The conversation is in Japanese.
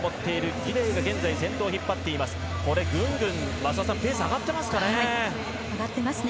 増田さん、ぐんぐんペースが上がってますかね。